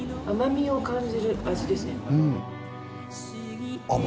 甘みを感じる味ですね。